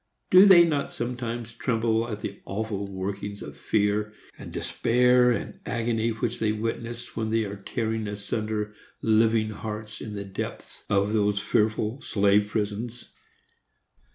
Do they not sometimes tremble at the awful workings of fear, and despair, and agony, which they witness when they are tearing asunder living hearts in the depths of those fearful slave prisons?